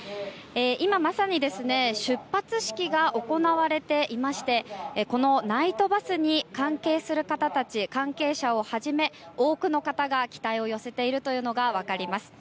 今まさに出発式が行われていましてこのナイトバスに関係する方たち関係者をはじめ多くの方が期待を寄せているのが分かります。